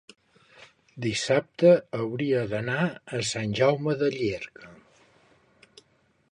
dissabte hauria d'anar a Sant Jaume de Llierca.